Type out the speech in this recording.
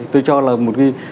tôi cho là một cái